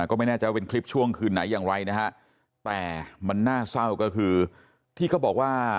ก็ไม่แน่ใจว่าเป็นคลิปช่วงคืนไหนอย่างไรนะฮะแต่มันน่าเศร้าก็คือที่เขาบอกว่า